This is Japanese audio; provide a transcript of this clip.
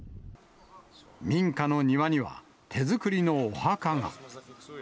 民家の庭には、手作りのお墓が。